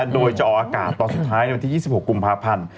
โดยจะออกอากาศตอนสุดท้ายในวันที่๒๖กุมภาพันธ์